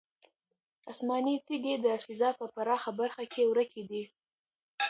آسماني تیږې د فضا په پراخه برخه کې ورکې دي.